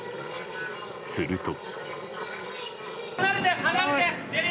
すると。